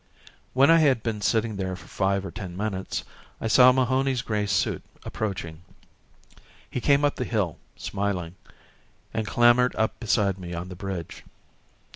When I had been sitting there for five or ten minutes I saw Mahony's grey suit approaching. He came up the hill, smiling, and clambered up beside me on the bridge.